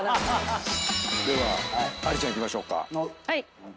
ではありちゃんいきましょうか。